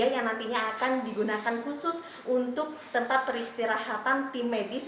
yang nantinya akan digunakan khusus untuk tempat peristirahatan tim medis